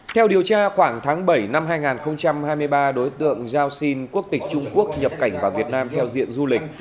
theo điều tra khoảng tháng bảy năm hai nghìn hai mươi ba đối tượng giao xin quốc tịch trung quốc nhập cảnh vào việt nam theo diện du lịch